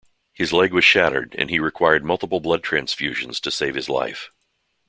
His leg was shattered and he required multiple blood transfusions to save his life.